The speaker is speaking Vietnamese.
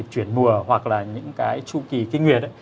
chuyển mùa hoặc là những cái chu kỳ kinh nguyệt ấy